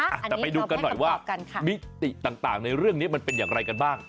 อ่ะแต่ไปดูกันหน่อยว่ามิติต่างในเรื่องนี้มันเป็นอย่างไรกันบ้าง